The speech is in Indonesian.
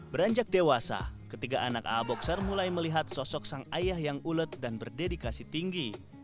beranjak dewasa ketiga anak a boxer mulai melihat sosok sang ayah yang ulet dan berdedikasi tinggi